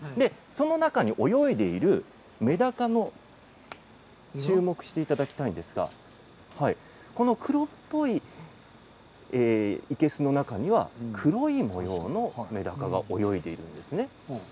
その中に泳いでいるめだかに注目していただきたいんですけど黒っぽい生けすの中には黒い模様のめだかが泳いでいます。